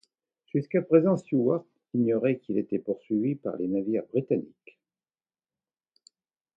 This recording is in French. Jusqu'à présent Stewart ignorait qu'il était poursuivi par les navires britanniques.